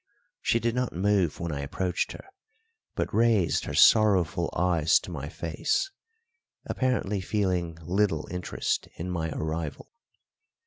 She did not move when I approached her, but raised her sorrowful eyes to my face, apparently feeling little interest in my arrival.